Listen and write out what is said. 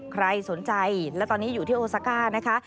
ใครสนใจและตอนนี้อยู่ที่โอซาก้านะคะ